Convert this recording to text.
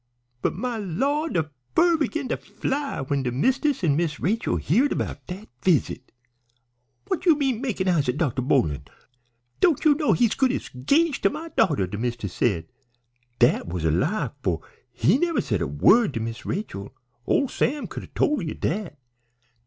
"But my lah', de fur begin to fly when de mist'ess an' Miss Rachel heared 'bout dat visit! "'What you mean by makin' eyes at Dr. Boling? Don't you know he's good as 'gaged to my daughter?' de mist'ess said. Dat was a lie, for he never said a word to Miss Rachel; ole Sam could tole you dat.